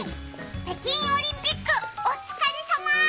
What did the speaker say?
北京オリンピックお疲れさま！